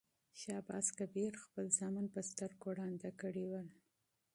شاه عباس کبیر خپل زامن په سترګو ړانده کړي ول.